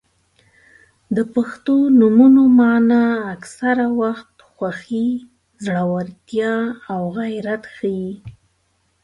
• د پښتو نومونو مانا اکثره وخت خوښي، زړورتیا او غیرت ښيي.